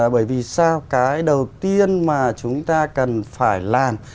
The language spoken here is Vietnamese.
bởi vì sao cái đầu tiên mà chúng ta cần phải làm